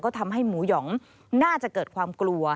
ก็ทำให้หมูหยองน่าจะเกิดความกลัว